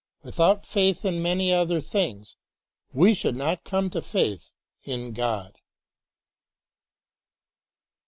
Without faith in many other things we should not come to faith in God.